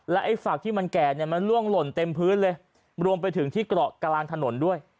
ไอ้ฝักที่มันแก่เนี่ยมันล่วงหล่นเต็มพื้นเลยรวมไปถึงที่เกาะกลางถนนด้วย